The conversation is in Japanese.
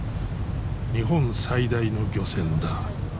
日本最大の漁船だ。